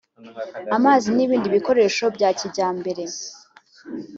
amazi n’ibindi bikoresho bya kijyambere